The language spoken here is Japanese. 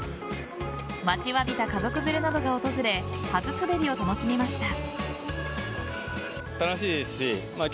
待ちわびた家族連れなどが訪れ初滑りを楽しみました。